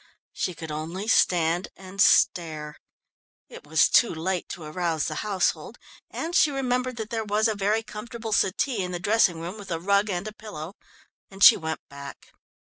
She could only stand and stare. It was too late to arouse the household, and she remembered that there was a very comfortable settee in the dressing room with a rug and a pillow, and she went back.